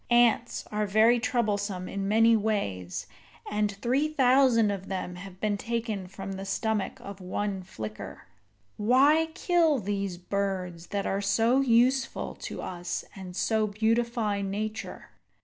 Ants are very troublesome in many ways, and three thousand of them have been taken from the stomach of one flicker." Why kill these birds that are so useful to us and so beautify nature?